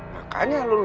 makanya lu lunasin dulu